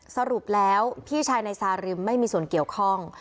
สรุปแล้วพี่ชายนายซาริมไม่มีส่วนเกี่ยวข้อง